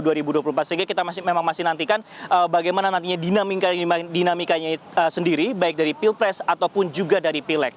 sehingga kita memang masih nantikan bagaimana nantinya dinamikanya sendiri baik dari pilpres ataupun juga dari pileg